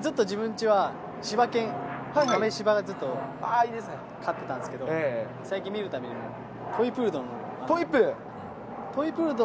ずっと自分ちはしば犬、豆しばをずっと飼ってたんですけど、最近、見るたびにトイプードトイプー？